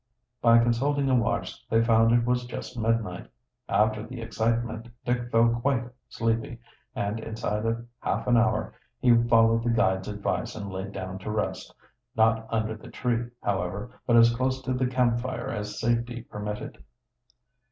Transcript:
By consulting a watch they found it was just midnight. After the excitement Dick felt quite sleepy, and inside of half an hour he followed the guide's advice and laid down to rest not under the tree, however, but as close to the camp fire as safety permitted.